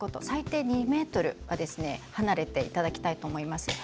最低２ｍは離れていただきたいと思います。